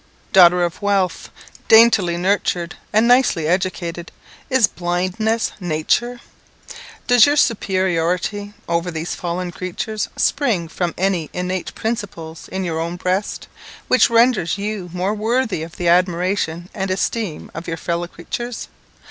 Daughter of wealth, daintily nurtured, and nicely educated, Is blindness nature? Does your superiority over these fallen creatures spring from any innate principle in your own breast, which renders you more worthy of the admiration and esteem of your fellow creatures?